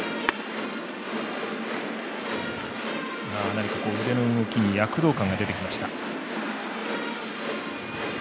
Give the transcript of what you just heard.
何か腕の動きに躍動感が出てきました。